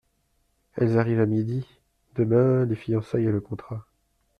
Elles arrivent à midi… demain les fiançailles et le contrat…